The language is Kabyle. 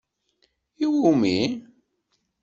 I wumi?